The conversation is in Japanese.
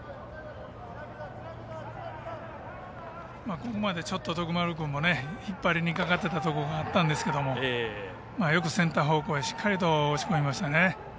ここまでちょっと徳丸君も引っ張りにかかっていたところがあったんですけどよくセンター方向へしっかりと押し込みましたね。